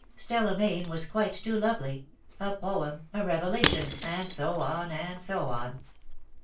Stella Mayne was quite too lovely — a poem, a revelation, and so on, and so on.